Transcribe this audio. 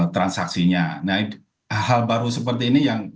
transaksinya nah hal hal baru seperti ini yang